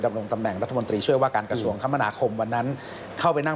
ดำรงตำแหน่งรัฐมนตรีช่วยว่าการกระทรวงคมนาคมวันนั้นเข้าไปนั่ง